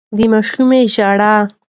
د ماشومې ژړا